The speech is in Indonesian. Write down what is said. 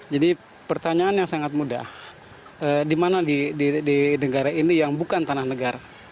jadi pertanyaan yang sangat mudah di mana di negara ini yang bukan tanah negara